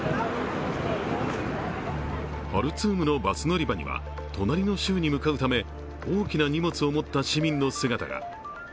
ハルツームのバス乗り場には隣の州に向かうため、大きな荷物を持った市民の姿が。